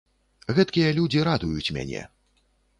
Гэткія людзі радуюць мяне.